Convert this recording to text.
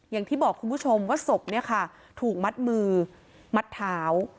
อย่างที่บอกคุณผู้ชมว่าศพเนี่ยค่ะถูกมัดมือมัดเท้า